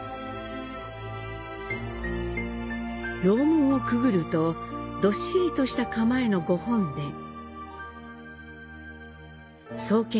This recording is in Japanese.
楼門をくぐると、どっしりとした構えの御本殿。